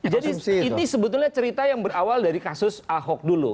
jadi ini sebetulnya cerita yang berawal dari kasus ahok dulu